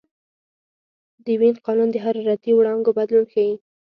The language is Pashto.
د وین قانون د حرارتي وړانګو بدلون ښيي.